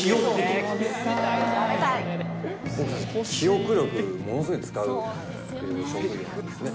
僕たち、記憶力、ものすごい使う職業なんですね。